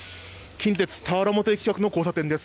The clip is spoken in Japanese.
近鉄田原本駅近くの交差点です。